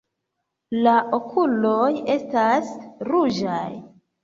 La okuloj estas ruĝaj.